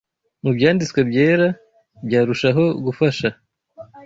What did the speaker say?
mu Byanditswe Byera byarushaho gufasha